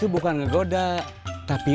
bukan dari tadi